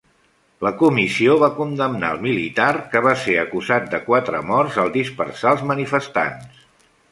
La comissió va condemnar el militar, que va ser acusat de quatre morts al dispersar els manifestants.